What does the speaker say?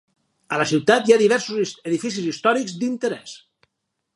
A la ciutat hi ha diversos edificis històrics d'interès.